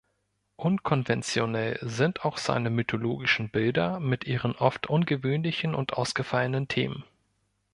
Unkonventionell sind auch seine mythologischen Bilder mit ihren oft ungewöhnlichen und ausgefallenen Themen.